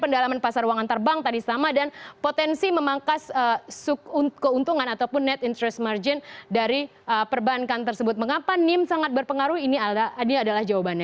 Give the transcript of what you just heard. dan ini adalah jawabannya